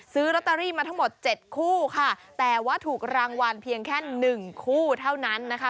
ซื้อลอตเตอรี่มาทั้งหมดเจ็ดคู่ค่ะแต่ว่าถูกรางวัลเพียงแค่หนึ่งคู่เท่านั้นนะคะ